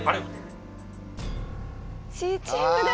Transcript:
Ｃチームだ。